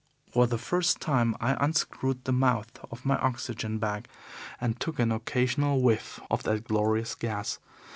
For the first time I unscrewed the mouth of my oxygen bag and took an occasional whiff of the glorious gas.